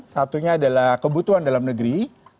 satunya adalah kebutuhan dalam negeri